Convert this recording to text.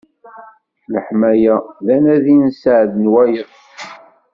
Leḥmala, d anadi n sseɛd n wayeḍ.